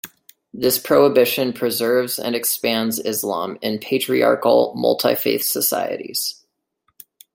This prohibition preserves and expands Islam in patriarchal, multi-faith societies.